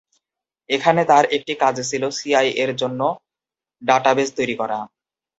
এখানে তার একটি কাজ ছিল সিআইএ’র জন্য ডাটাবেজ তৈরি করা।